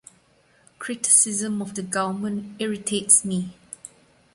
Criticism of the government irritates me.